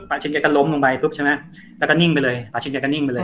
อาชิตแกก็ล้มลงไปปุ๊บใช่ไหมแล้วก็นิ่งไปเลยอาชิตแกก็นิ่งไปเลย